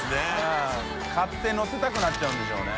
磴辰のせたくなっちゃうんでしょうね。